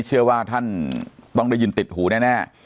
เชื่อว่าท่านต้องได้ยินติดหูแน่